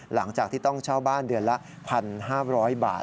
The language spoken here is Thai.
หลังจากที่ต้องเช่าบ้านเดือนละ๑๕๐๐บาท